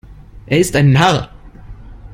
Er ist ein Narr.